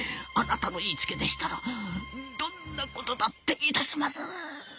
あなたの言いつけでしたらどんなことだっていたします。